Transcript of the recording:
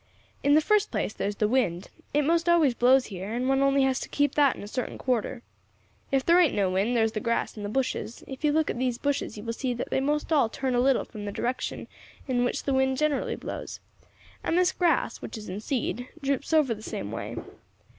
"In the first place there's the wind; it most always blows here, and one only has to keep that in a certain quarter. If there ain't no wind, there's the grass and the bushes; if you look at these bushes you will see that they most all turn a little from the direction in which the wind generally blows, and this grass, which is in seed, droops over the same way.